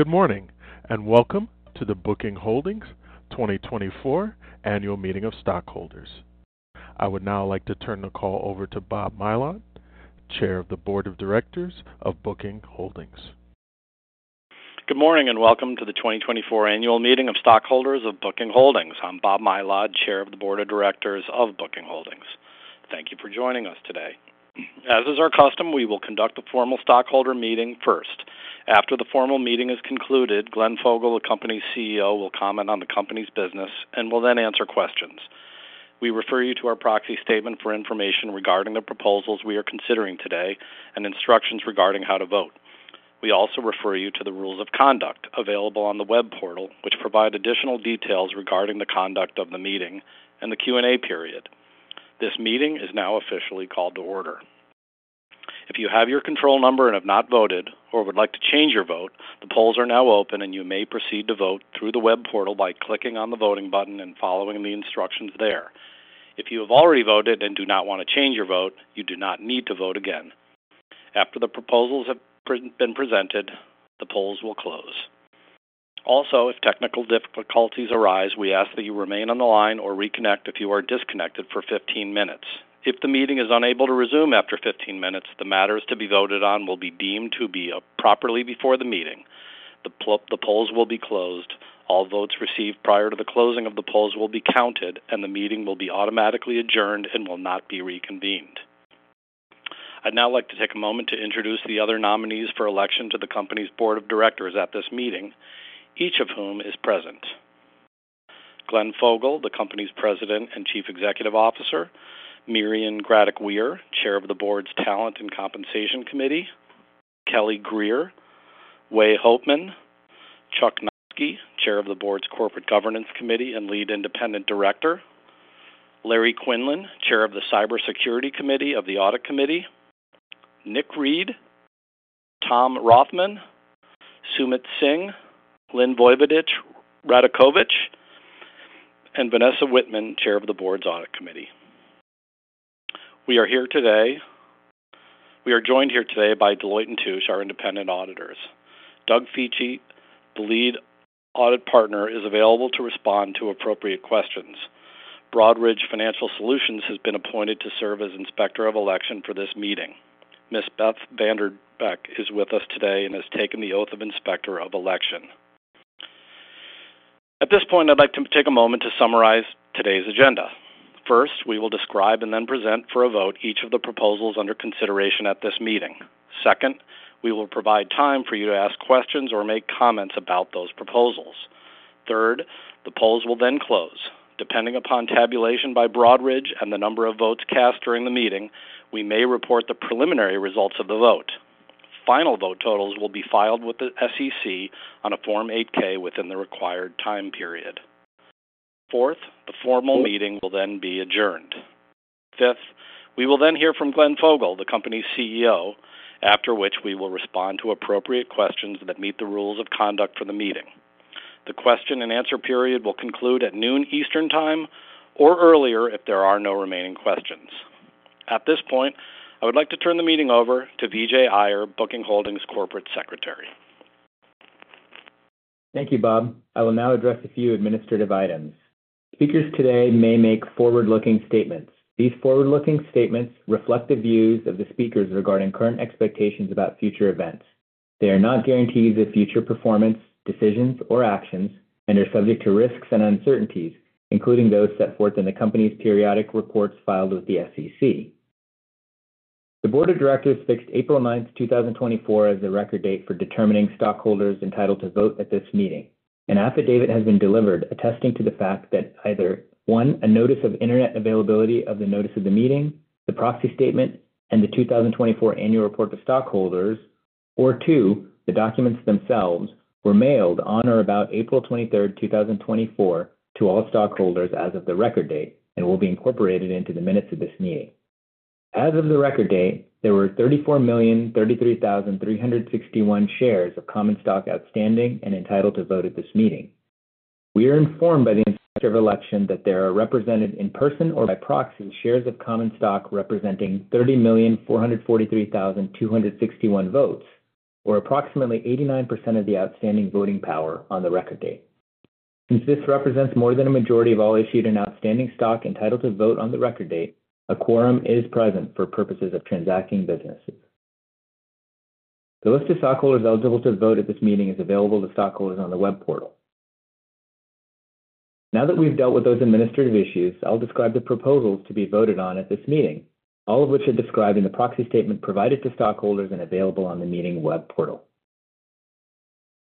Good morning, and welcome to the Booking Holdings 2024 Annual Meeting of Stockholders. I would now like to turn the call over to Bob Mylod, Chair of the Board of Directors of Booking Holdings. Good morning, and welcome to the 2024 Annual Meeting of Stockholders of Booking Holdings. I'm Bob Mylod, Chair of the Board of Directors of Booking Holdings. Thank you for joining us today. As is our custom, we will conduct the formal stockholder meeting first. After the formal meeting is concluded, Glenn Fogel, the company's CEO, will comment on the company's business and will then answer questions. We refer you to our proxy statement for information regarding the proposals we are considering today and instructions regarding how to vote. We also refer you to the rules of conduct available on the web portal, which provide additional details regarding the conduct of the meeting and the Q&A period. This meeting is now officially called to order. If you have your Control Number and have not voted or would like to change your vote, the polls are now open, and you may proceed to vote through the web portal by clicking on the voting button and following the instructions there. If you have already voted and do not want to change your vote, you do not need to vote again. After the proposals have been presented, the polls will close. Also, if technical difficulties arise, we ask that you remain on the line or reconnect if you are disconnected for 15 minutes. If the meeting is unable to resume after 15 minutes, the matters to be voted on will be deemed to be properly before the meeting. The polls will be closed, all votes received prior to the closing of the polls will be counted, and the meeting will be automatically adjourned and will not be reconvened. I'd now like to take a moment to introduce the other nominees for election to the company's board of directors at this meeting, each of whom is present. Glenn Fogel, the company's President and Chief Executive Officer, Mirian Graddick-Weir, Chair of the Board's Talent and Compensation Committee, Kelly Grier, Wei Hopeman, Chuck Noski, Chair of the Board's Corporate Governance Committee and Lead Independent Director, Larry Quinlan, Chair of the Cybersecurity Committee of the Audit Committee, Nick Read, Tom Rothman, Sumit Singh, Lynn Vojvodich Radakovich, and Vanessa Wittman, Chair of the Board's Audit Committee. We are here today... We are joined here today by Deloitte & Touche, our independent auditors. Doug Pitsch, the lead audit partner, is available to respond to appropriate questions. Broadridge Financial Solutions has been appointed to serve as Inspector of Election for this meeting. Ms. Beth Vanderbeck is with us today and has taken the oath of Inspector of Election. At this point, I'd like to take a moment to summarize today's agenda. First, we will describe and then present for a vote each of the proposals under consideration at this meeting. Second, we will provide time for you to ask questions or make comments about those proposals. Third, the polls will then close. Depending upon tabulation by Broadridge and the number of votes cast during the meeting, we may report the preliminary results of the vote. Final vote totals will be filed with the SEC on a Form 8-K within the required time period. Fourth, the formal meeting will then be adjourned. Fifth, we will then hear from Glenn Fogel, the company's CEO, after which we will respond to appropriate questions that meet the rules of conduct for the meeting. The question and answer period will conclude at noon Eastern Time or earlier if there are no remaining questions. At this point, I would like to turn the meeting over to Vijay Iyer, Booking Holdings Corporate Secretary. Thank you, Bob. I will now address a few administrative items. Speakers today may make forward-looking statements. These forward-looking statements reflect the views of the speakers regarding current expectations about future events. They are not guarantees of future performance, decisions, or actions, and are subject to risks and uncertainties, including those set forth in the company's periodic reports filed with the SEC. The board of directors fixed April ninth, two thousand and twenty-four, as the record date for determining stockholders entitled to vote at this meeting. An affidavit has been delivered, attesting to the fact that either, one, a notice of internet availability of the notice of the meeting, the proxy statement, and the 2024 annual report to stockholders, or two, the documents themselves were mailed on or about April 23rd, 2024, to all stockholders as of the record date and will be incorporated into the minutes of this meeting. As of the record date, there were 34,033,361 shares of common stock outstanding and entitled to vote at this meeting. We are informed by the Inspector of Election that there are represented in person or by proxy, shares of common stock representing 30,443,261 votes, or approximately 89% of the outstanding voting power on the record date. Since this represents more than a majority of all issued and outstanding stock entitled to vote on the record date, a quorum is present for purposes of transacting businesses. The list of stockholders eligible to vote at this meeting is available to stockholders on the web portal. Now that we've dealt with those administrative issues, I'll describe the proposals to be voted on at this meeting, all of which are described in the proxy statement provided to stockholders and available on the meeting web portal.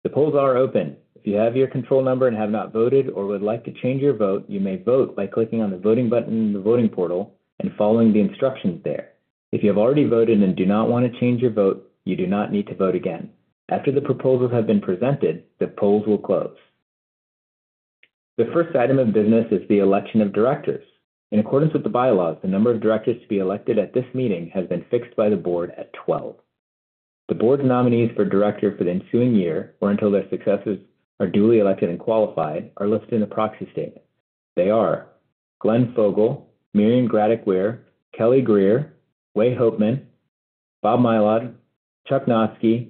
The polls are open. If you have your control number and have not voted or would like to change your vote, you may vote by clicking on the voting button in the voting portal and following the instructions there. If you have already voted and do not want to change your vote, you do not need to vote again. After the proposals have been presented, the polls will close. The first item of business is the election of directors. In accordance with the bylaws, the number of directors to be elected at this meeting has been fixed by the board at twelve. The board's nominees for director for the ensuing year, or until their successors are duly elected and qualified, are listed in the proxy statement. They are: Glenn Fogel, Mirian Graddick-Weir, Kelly Grier, Wei Hopeman, Bob Mylod, Chuck Noski,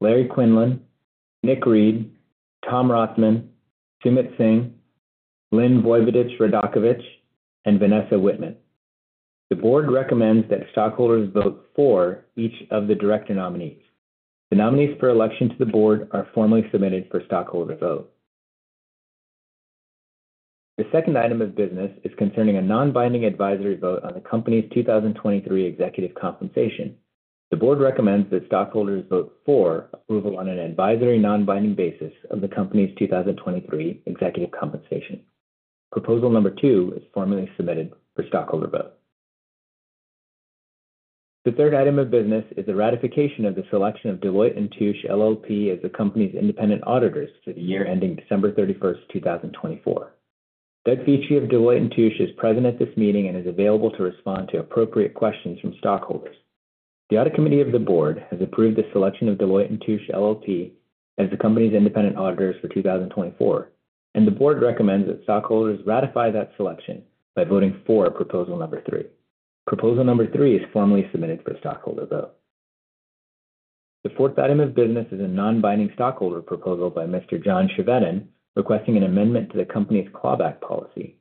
Larry Quinlan, Nick Read, Tom Rothman, Sumit Singh, Lynn Vojvodich Radakovich, and Vanessa Wittman. The board recommends that stockholders vote for each of the director nominees. The nominees for election to the board are formally submitted for stockholder vote. The second item of business is concerning a non-binding advisory vote on the company's 2023 executive compensation. The Board recommends that stockholders vote for approval on an advisory, non-binding basis of the company's 2023 executive compensation. Proposal 2 is formally submitted for stockholder vote. The third item of business is the ratification of the selection of Deloitte & Touche LLP as the company's independent auditors for the year ending December 31, 2024. Doug Pitsch of Deloitte & Touche is present at this meeting and is available to respond to appropriate questions from stockholders. The Audit Committee of the Board has approved the selection of Deloitte & Touche LLP as the company's independent auditors for 2024, and the Board recommends that stockholders ratify that selection by voting for Proposal 3. Proposal 3 is formally submitted for stockholder vote. The fourth item of business is a non-binding stockholder proposal by Mr. John Chevedden, requesting an amendment to the company's clawback policy.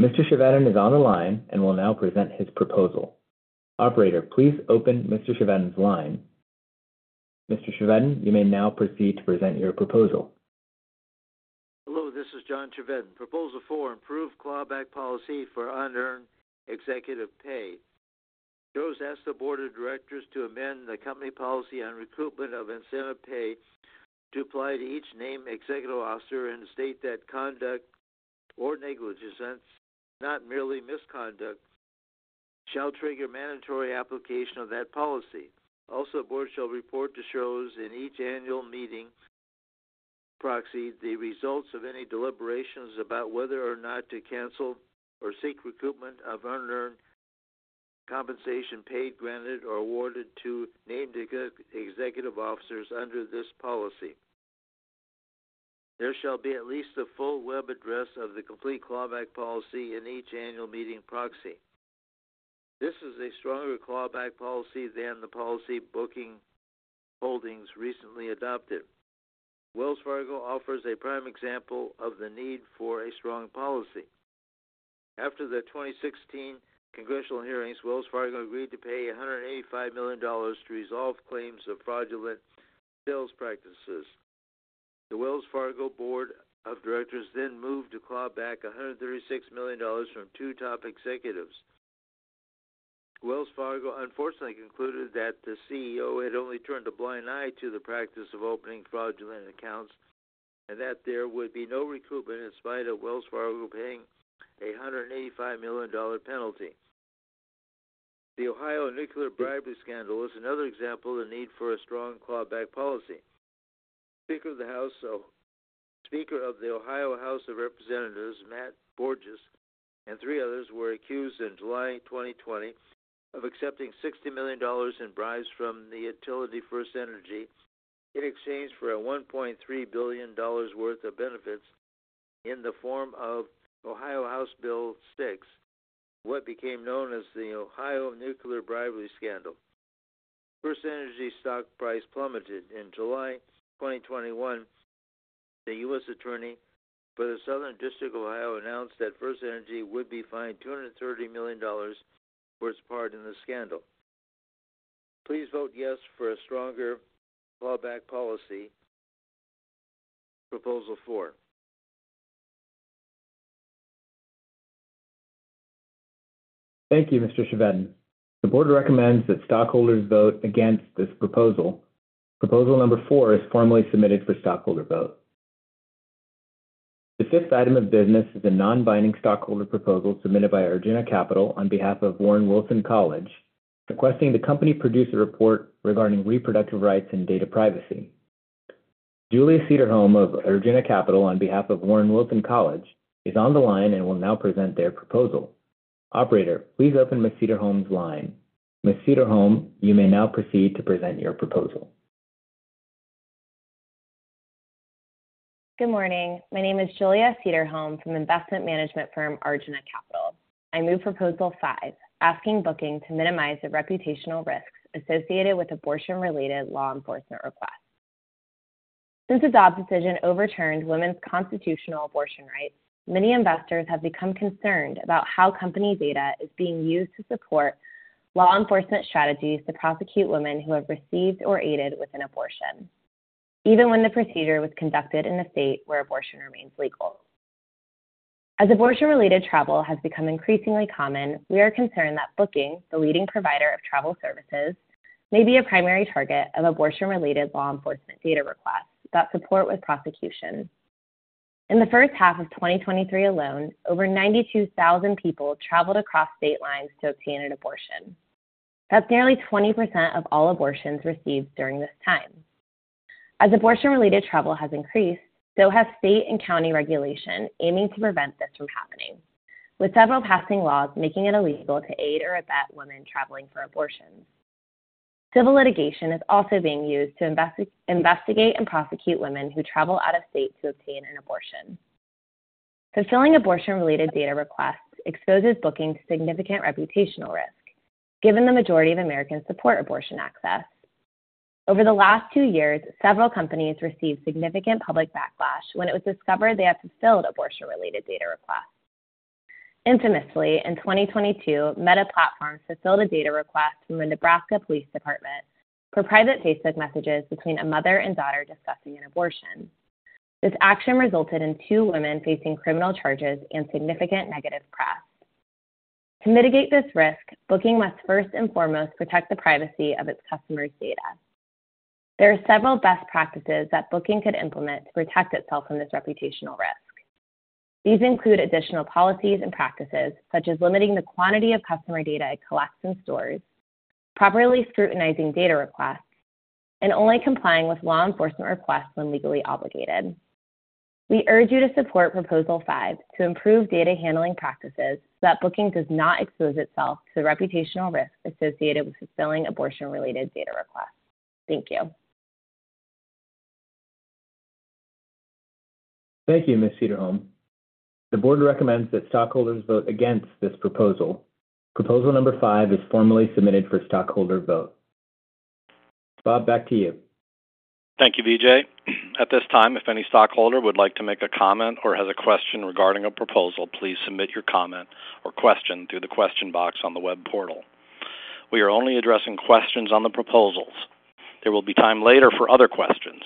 Mr. Chevedden is on the line and will now present his proposal. Operator, please open Mr. Chevedden's line. Mr. Chevedden, you may now proceed to present your proposal. Hello, this is John Chevedden. Proposal four: Improve clawback policy for unearned executive pay. Shareholders ask the board of directors to amend the company policy on recoupment of incentive pay to apply to each named executive officer and state that conduct or negligence, not merely misconduct, shall trigger mandatory application of that policy. Also, the board shall report to shareholders in each annual meeting proxy, the results of any deliberations about whether or not to cancel or seek recoupment of unearned compensation paid, granted, or awarded to named executive officers under this policy. There shall be at least a full web address of the complete clawback policy in each annual meeting proxy. This is a stronger clawback policy than the policy Booking Holdings recently adopted. Wells Fargo offers a prime example of the need for a strong policy. After the 2016 congressional hearings, Wells Fargo agreed to pay $185 million to resolve claims of fraudulent sales practices. The Wells Fargo board of directors then moved to claw back $136 million from two top executives. Wells Fargo unfortunately concluded that the CEO had only turned a blind eye to the practice of opening fraudulent accounts and that there would be no recoupment in spite of Wells Fargo paying a $185 million penalty. The Ohio nuclear bribery scandal is another example of the need for a strong clawback policy. Speaker of the House, Speaker of the Ohio House of Representatives, Matt Borges, and three others were accused in July 2020 of accepting $60 million in bribes from the utility FirstEnergy in exchange for a $1.3 billion worth of benefits in the form of Ohio House Bill 6, what became known as the Ohio nuclear bribery scandal. FirstEnergy's stock price plummeted. In July 2021, the US Attorney for the Southern District of Ohio announced that FirstEnergy would be fined $230 million for its part in the scandal. Please vote yes for a stronger clawback policy. Proposal 4. Thank you, Mr. Chevedden. The board recommends that stockholders vote against this proposal. Proposal number four is formally submitted for stockholder vote. The fifth item of business is a non-binding stockholder proposal submitted by Arjuna Capital on behalf of Warren Wilson College, requesting the company produce a report regarding reproductive rights and data privacy. Julia Cederholm of Arjuna Capital, on behalf of Warren Wilson College, is on the line and will now present their proposal. Operator, please open Ms. Cederholm's line. Ms. Cederholm, you may now proceed to present your proposal. Good morning. My name is Julia Cederholm from investment management firm, Arjuna Capital. I move Proposal five, asking Booking to minimize the reputational risks associated with abortion-related law enforcement requests. Since the Dobbs decision overturned women's constitutional abortion rights, many investors have become concerned about how company data is being used to support law enforcement strategies to prosecute women who have received or aided with an abortion, even when the procedure was conducted in a state where abortion remains legal. As abortion-related travel has become increasingly common, we are concerned that Booking, the leading provider of travel services, may be a primary target of abortion-related law enforcement data requests that support with prosecution. In the first half of 2023 alone, over 92,000 people traveled across state lines to obtain an abortion. That's nearly 20% of all abortions received during this time. As abortion-related travel has increased, so has state and county regulation aiming to prevent this from happening, with several passing laws making it illegal to aid or abet women traveling for abortions. Civil litigation is also being used to investigate and prosecute women who travel out of state to obtain an abortion. Fulfilling abortion-related data requests exposes Booking to significant reputational risk, given the majority of Americans support abortion access. Over the last two years, several companies received significant public backlash when it was discovered they had fulfilled abortion-related data requests. Infamously, in 2022, Meta Platforms fulfilled a data request from the Nebraska Police Department for private Facebook messages between a mother and daughter discussing an abortion. This action resulted in two women facing criminal charges and significant negative press. To mitigate this risk, Booking must first and foremost protect the privacy of its customers' data. There are several best practices that Booking could implement to protect itself from this reputational risk. These include additional policies and practices, such as limiting the quantity of customer data it collects and stores, properly scrutinizing data requests, and only complying with law enforcement requests when legally obligated. We urge you to support Proposal Five to improve data handling practices so that Booking does not expose itself to the reputational risk associated with fulfilling abortion-related data requests. Thank you. Thank you, Ms. Cederholm. The board recommends that stockholders vote against this proposal. Proposal number five is formally submitted for stockholder vote. Bob, back to you. Thank you, Vijay. At this time, if any stockholder would like to make a comment or has a question regarding a proposal, please submit your comment or question through the question box on the web portal. We are only addressing questions on the proposals. There will be time later for other questions.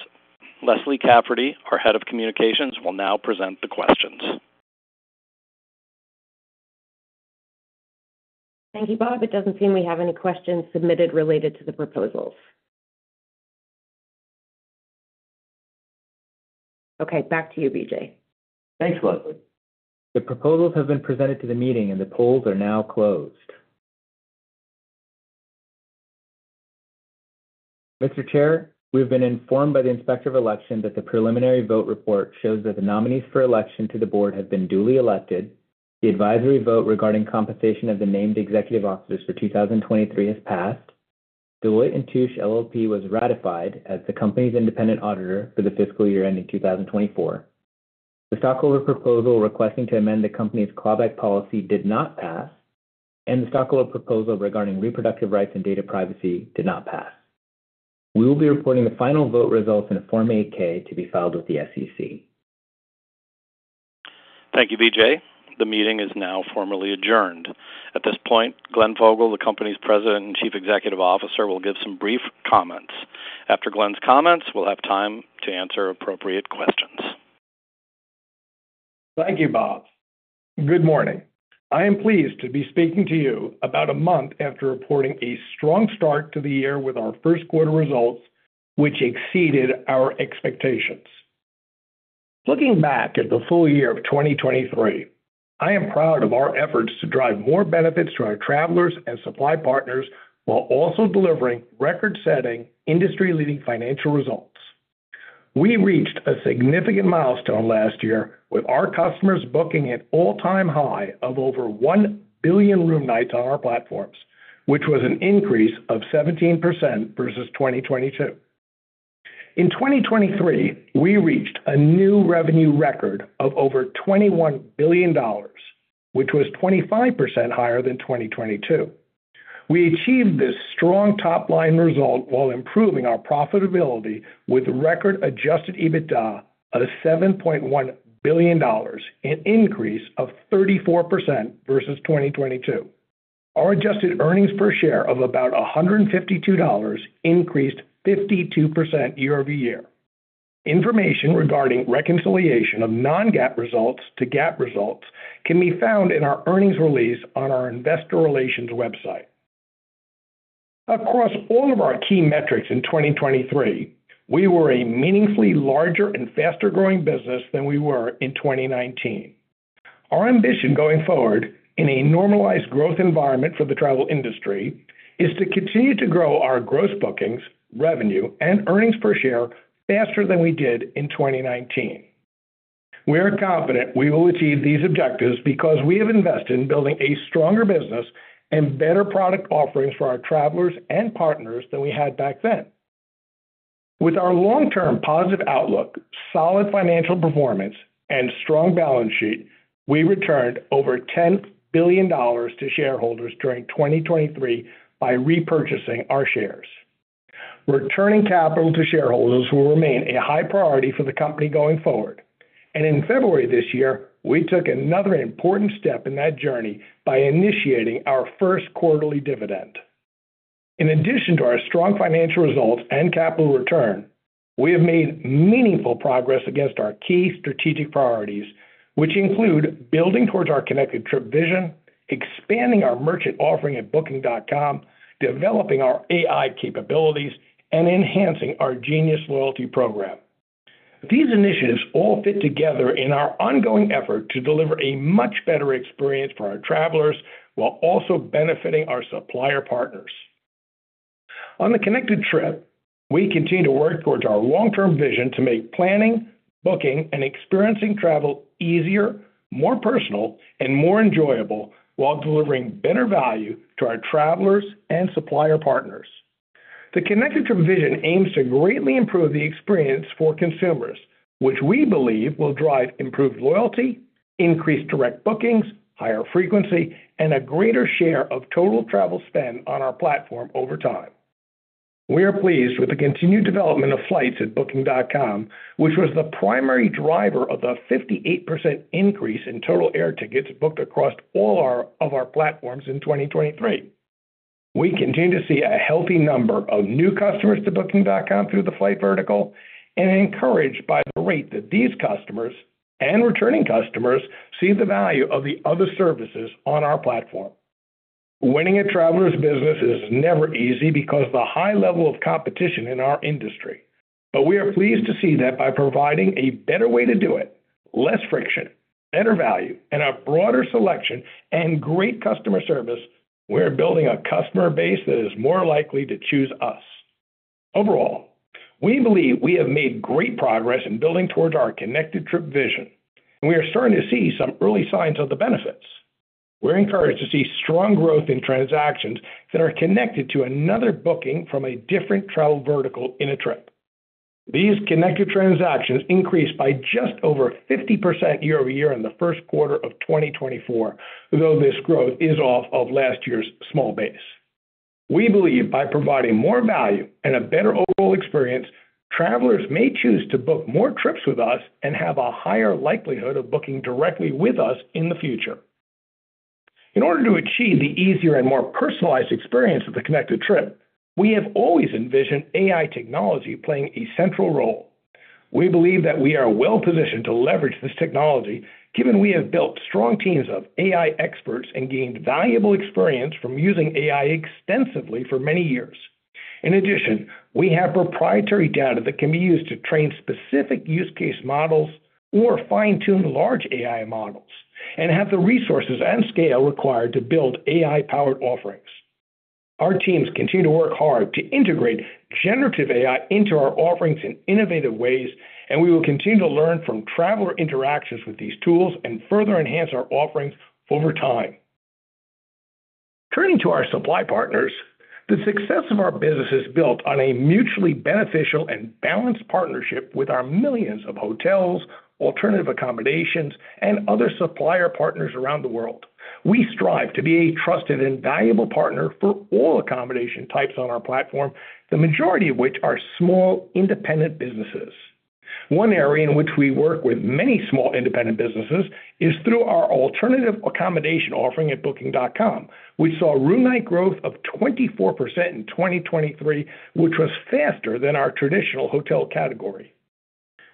Leslie Cafferty, our Head of Communications, will now present the questions. Thank you, Bob. It doesn't seem we have any questions submitted related to the proposals. Okay, back to you, Vijay. Thanks, Leslie. The proposals have been presented to the meeting, and the polls are now closed. Mr. Chair, we've been informed by the Inspector of Election that the preliminary vote report shows that the nominees for election to the board have been duly elected. The advisory vote regarding compensation of the named executive officers for 2023 has passed. Deloitte & Touche LLP was ratified as the company's independent auditor for the fiscal year ending 2024. The stockholder proposal requesting to amend the company's clawback policy did not pass, and the stockholder proposal regarding reproductive rights and data privacy did not pass. We will be reporting the final vote results in Form 8-K to be filed with the SEC. Thank you, Vijay. The meeting is now formally adjourned. At this point, Glenn Fogel, the company's President and Chief Executive Officer, will give some brief comments. After Glenn's comments, we'll have time to answer appropriate questions. Thank you, Bob. Good morning. I am pleased to be speaking to you about a month after reporting a strong start to the year with our first quarter results, which exceeded our expectations. Looking back at the full year of 2023, I am proud of our efforts to drive more benefits to our travelers and supply partners, while also delivering record-setting, industry-leading financial results. We reached a significant milestone last year with our customers booking an all-time high of over 1 billion room nights on our platforms, which was an increase of 17% versus 2022. In 2023, we reached a new revenue record of over $21 billion, which was 25% higher than 2022. We achieved this strong top-line result while improving our profitability with record Adjusted EBITDA of $7.1 billion, an increase of 34% versus 2022. Our adjusted earnings per share of about $152 increased 52% year-over-year. Information regarding reconciliation of non-GAAP results to GAAP results can be found in our earnings release on our investor relations website. Across all of our key metrics in 2023, we were a meaningfully larger and faster-growing business than we were in 2019. Our ambition going forward, in a normalized growth environment for the travel industry, is to continue to grow our gross bookings, revenue, and earnings per share faster than we did in 2019. We are confident we will achieve these objectives because we have invested in building a stronger business and better product offerings for our travelers and partners than we had back then. With our long-term positive outlook, solid financial performance, and strong balance sheet, we returned over $10 billion to shareholders during 2023 by repurchasing our shares. Returning capital to shareholders will remain a high priority for the company going forward, and in February this year, we took another important step in that journey by initiating our first quarterly dividend. In addition to our strong financial results and capital return, we have made meaningful progress against our key strategic priorities, which include building towards our Connected Trip vision, expanding our merchant offering at Booking.com, developing our AI capabilities, and enhancing our Genius loyalty program. These initiatives all fit together in our ongoing effort to deliver a much better experience for our travelers while also benefiting our supplier partners. On the Connected Trip-... We continue to work towards our long-term vision to make planning, booking, and experiencing travel easier, more personal, and more enjoyable, while delivering better value to our travelers and supplier partners. The Connected Trip vision aims to greatly improve the experience for consumers, which we believe will drive improved loyalty, increased direct bookings, higher frequency, and a greater share of total travel spend on our platform over time. We are pleased with the continued development of flights at Booking.com, which was the primary driver of the 58% increase in total air tickets booked across all of our platforms in 2023. We continue to see a healthy number of new customers to Booking.com through the flight vertical, and are encouraged by the rate that these customers and returning customers see the value of the other services on our platform. Winning a traveler's business is never easy because of the high level of competition in our industry. But we are pleased to see that by providing a better way to do it, less friction, better value, and a broader selection and great customer service, we are building a customer base that is more likely to choose us. Overall, we believe we have made great progress in building towards our Connected Trip vision, and we are starting to see some early signs of the benefits. We're encouraged to see strong growth in transactions that are connected to another booking from a different travel vertical in a trip. These connected transactions increased by just over 50% year-over-year in the first quarter of 2024, though this growth is off of last year's small base. We believe by providing more value and a better overall experience, travelers may choose to book more trips with us and have a higher likelihood of booking directly with us in the future. In order to achieve the easier and more personalized experience of the Connected Trip, we have always envisioned AI technology playing a central role. We believe that we are well-positioned to leverage this technology, given we have built strong teams of AI experts and gained valuable experience from using AI extensively for many years. In addition, we have proprietary data that can be used to train specific use case models or fine-tune large AI models, and have the resources and scale required to build AI-powered offerings. Our teams continue to work hard to integrate generative AI into our offerings in innovative ways, and we will continue to learn from traveler interactions with these tools and further enhance our offerings over time. Turning to our supply partners, the success of our business is built on a mutually beneficial and balanced partnership with our millions of hotels, alternative accommodations, and other supplier partners around the world. We strive to be a trusted and valuable partner for all accommodation types on our platform, the majority of which are small, independent businesses. One area in which we work with many small independent businesses is through our alternative accommodation offering at Booking.com. We saw room night growth of 24% in 2023, which was faster than our traditional hotel category.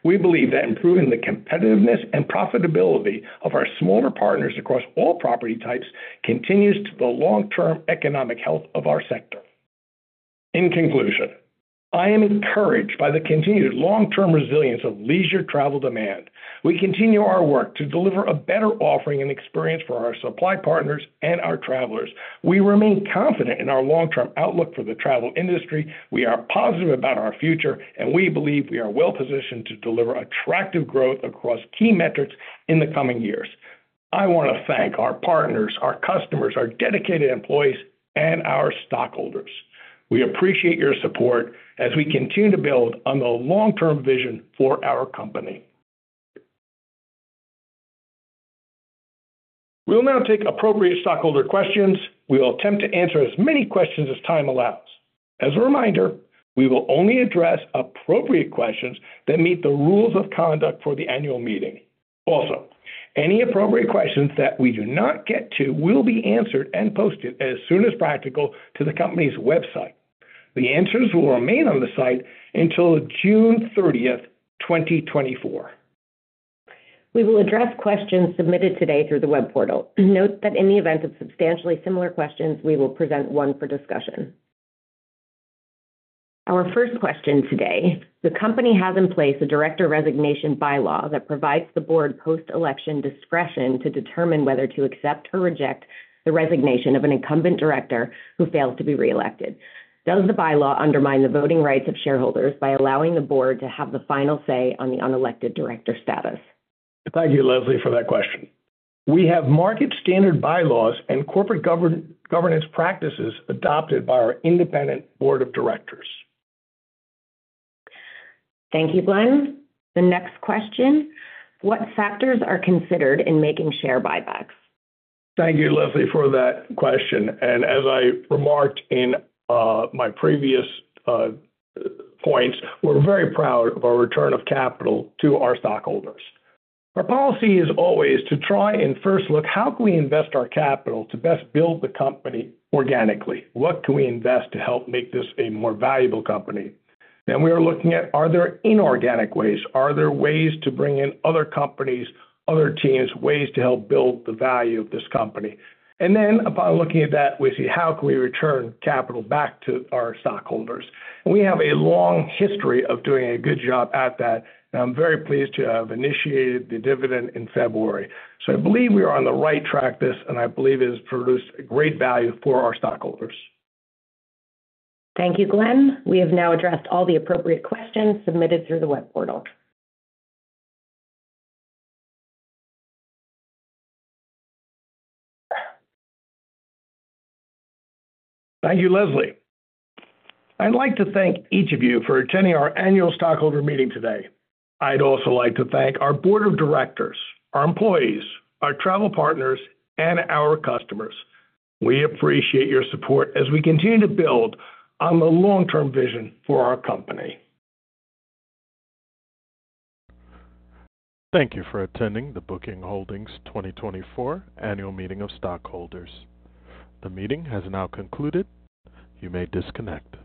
We believe that improving the competitiveness and profitability of our smaller partners across all property types contributes to the long-term economic health of our sector. In conclusion, I am encouraged by the continued long-term resilience of leisure travel demand. We continue our work to deliver a better offering and experience for our supply partners and our travelers. We remain confident in our long-term outlook for the travel industry. We are positive about our future, and we believe we are well-positioned to deliver attractive growth across key metrics in the coming years. I want to thank our partners, our customers, our dedicated employees, and our stockholders. We appreciate your support as we continue to build on the long-term vision for our company. We will now take appropriate stockholder questions. We will attempt to answer as many questions as time allows. As a reminder, we will only address appropriate questions that meet the rules of conduct for the annual meeting. Also, any appropriate questions that we do not get to will be answered and posted as soon as practical to the company's website. The answers will remain on the site until June 30, 2024. We will address questions submitted today through the web portal. Note that in the event of substantially similar questions, we will present one for discussion. Our first question today, the company has in place a director resignation bylaw that provides the board post-election discretion to determine whether to accept or reject the resignation of an incumbent director who fails to be reelected. Does the bylaw undermine the voting rights of shareholders by allowing the board to have the final say on the unelected director status? Thank you, Leslie, for that question. We have market standard bylaws and corporate governance practices adopted by our independent board of directors. Thank you, Glenn. The next question: What factors are considered in making share buybacks? Thank you, Leslie, for that question. And as I remarked in my previous points, we're very proud of our return of capital to our stockholders. Our policy is always to try and first look, how can we invest our capital to best build the company organically? What can we invest to help make this a more valuable company? Then we are looking at, are there inorganic ways? Are there ways to bring in other companies, other teams, ways to help build the value of this company? And then upon looking at that, we see how can we return capital back to our stockholders. We have a long history of doing a good job at that, and I'm very pleased to have initiated the dividend in February. I believe we are on the right track with this, and I believe it has produced a great value for our stockholders. Thank you, Glenn. We have now addressed all the appropriate questions submitted through the web portal. Thank you, Leslie. I'd like to thank each of you for attending our annual stockholder meeting today. I'd also like to thank our board of directors, our employees, our travel partners, and our customers. We appreciate your support as we continue to build on the long-term vision for our company. Thank you for attending the Booking Holdings 2024 Annual Meeting of Stockholders. The meeting has now concluded. You may disconnect.